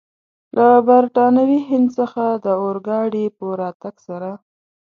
له برټانوي هند څخه د اورګاډي په راتګ سره.